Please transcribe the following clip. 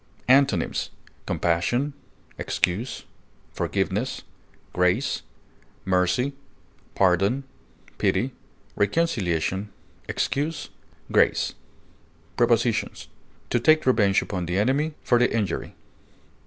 Antonyms: compassion, forgiveness, mercy, pardon, pity, reconciliation. excuse, grace, Prepositions: To take revenge upon the enemy, for the injury.